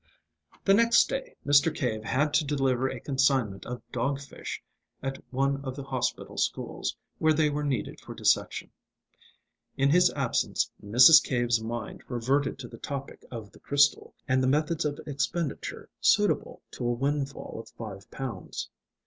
The next day Mr. Cave had to deliver a consignment of dog fish at one of the hospital schools, where they were needed for dissection. In his absence Mrs. Cave's mind reverted to the topic of the crystal, and the methods of expenditure suitable to a windfall of five pounds.